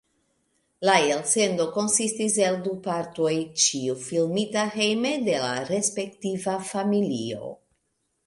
La elsendo konsistis el du partoj, ĉiu filmita hejme de la respektiva familio.